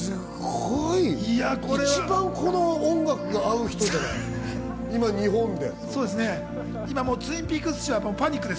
一番この音楽が合う人だよ今、日本で。